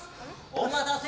お待たせ！